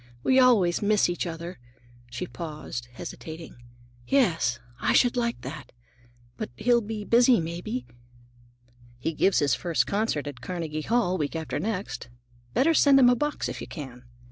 We always miss each other." She paused, hesitating. "Yes, I should like that. But he'll be busy, maybe?" "He gives his first concert at Carnegie Hall, week after next. Better send him a box if you can."